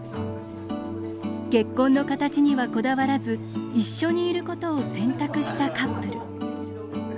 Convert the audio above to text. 結婚の形にはこだわらず一緒にいることを選択したカップル。